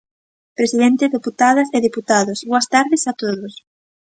Presidente, deputadas e deputados, boas tardes a todos.